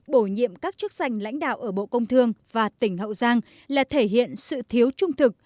bổ nhiệm các chức danh lãnh đạo ở bộ công thương và tỉnh hậu giang là thể hiện sự thiếu trung thực